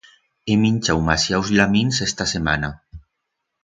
He minchau masiaus lamins esta semana.